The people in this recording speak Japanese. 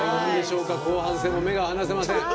後半戦も目が離せません。